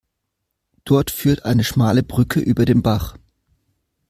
Dort führt eine schmale Brücke über den Bach.